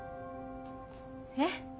えっ？